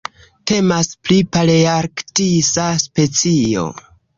Temas pri palearktisa specio.